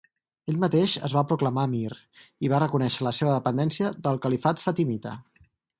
Ell mateix es va proclamar emir i va reconèixer la seva dependència del califat fatimita.